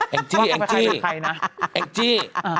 แอ็งจี้แอ็งจี้